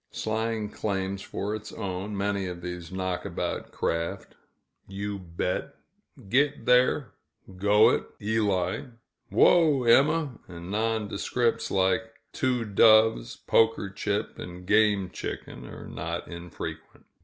Slang claims for its own, many of these knockabout craft "U. Bet," "Git Thair," "Go it, Eli," "Whoa, Emma!" and nondescripts, like "Two Doves," "Poker Chip," and "Game Chicken," are not infrequent.